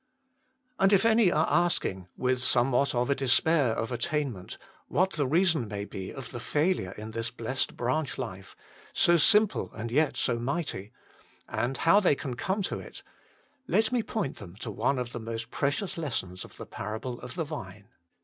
And if any are asking, with somewhat of a despair of attainment, what the reason may be of the failure in this blessed branch life, so simple and yet so mighty, and how they can come to it, let 62 THE MINISTRY OF INTERCESSION me point them to one of the most precious lessons of the parable of the Vine.